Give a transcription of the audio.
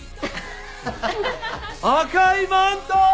赤いマント！